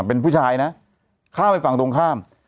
เป็นผู้ชายนะเข้าไปฝั่งตรงข้าม